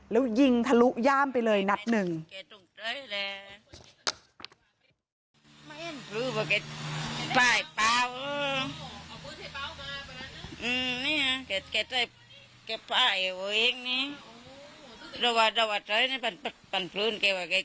แล้วยิงทะลุย่ามไปเลยนัดหนึ่ง